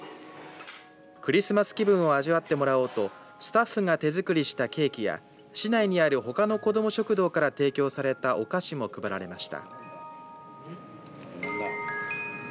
クリスマス気分を味わってもらおうとスタッフが手作りしたケーキや市内にある、ほかの子ども食堂から提供されたお菓子も配られました。